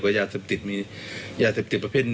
จะเป็นรับญาติหากภาพบังกัน